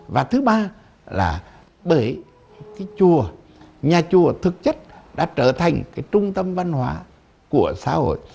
và thứ ba là bởi cái chùa nhà chùa thực chất đã trở thành cái trung tâm văn hóa của xã hội